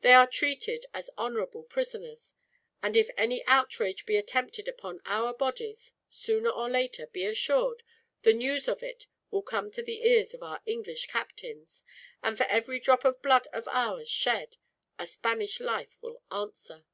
They are treated as honorable prisoners; and if any outrage be attempted upon our bodies, sooner or later, be assured, the news of it will come to the ears of our English captains; and for every drop of blood of ours shed, a Spanish life will answer."